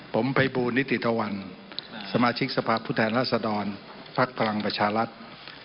ผมภัยบูลนิติธวรรณสมาชิกสภาพผู้แทนรัศดรภักดิ์พลังประชารัฐ